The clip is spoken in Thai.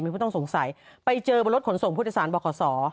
ไม่ต้องสงสัยไปเจอบริษัทขนส่งผู้โดยสารบ่าข่อสอ